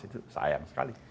itu sayang sekali